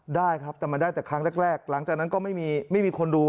ได้ครับแต่มันได้แต่ครั้งแรกหลังจากนั้นก็ไม่มีไม่มีคนดู